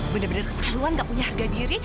bener bener ketahuan gak punya harga diri